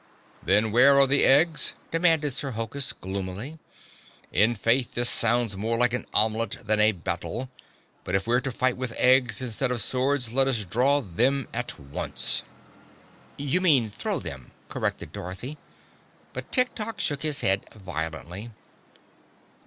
"Then where are the eggs?" demanded Sir Hokus gloomily. "In faith, this sounds more like an omelet than a battle. But if we're to fight with eggs instead of swords, let us draw them at once." "You mean throw them," corrected Dorothy. But Tik Tok shook his head violently.